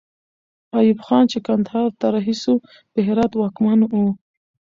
ایوب خان چې کندهار ته رهي سو، د هرات واکمن وو.